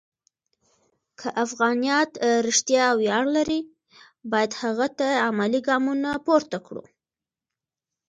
که افغانیت رښتیا ویاړ لري، باید هغه ته عملي ګامونه پورته کړو.